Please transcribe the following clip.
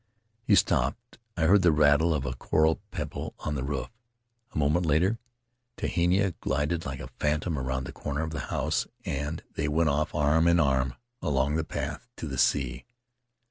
He stopped — I heard the rattle of a coral pebble on the roof. A moment later Tehina glided like a phantom around the corner of the house, and they went off arm in arm along the path to the sea.